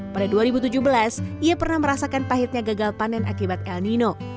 pada dua ribu tujuh belas ia pernah merasakan pahitnya gagal panen akibat el nino